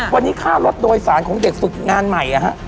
วันนี้ค่ารถโดยสารของเด็กฝึกงานใหม่